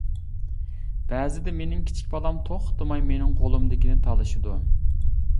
بەزىدە مېنىڭ كىچىك بالام توختىماي مېنىڭ قولۇمدىكىنى تالىشىدۇ.